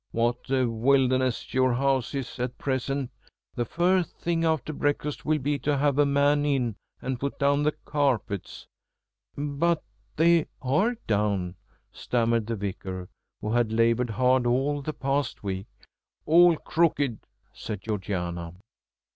What a wilderness your house is at present! The first thing after breakfast will be to have a man in and put down the carpets." "But they are down," stammered the Vicar, who had laboured hard all the past week. "All crooked," said Georgiana.